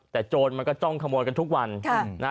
แต่โจรมันก็จ้องขโมยกันทุกวัน